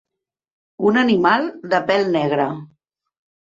Un animal de pèl negre.